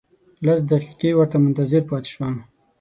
لس دقیقې ورته منتظر پاتې شوم.